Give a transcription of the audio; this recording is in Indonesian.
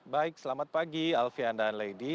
baik selamat pagi alfian dan lady